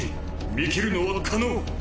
見切るのは可能！